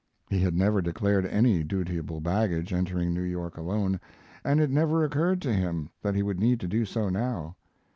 He had never declared any dutiable baggage, entering New York alone, and it never occurred to him that he would need to do so now.